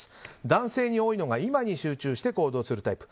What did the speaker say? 男性に多いのが今に集中して行動するタイプ。